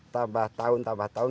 tambah tahun tambah tahun